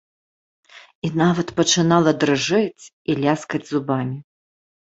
І нават пачынала дрыжэць і ляскаць зубамі.